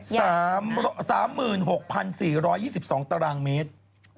สามหมื่น๖พัน๔๒๒ตรเมตร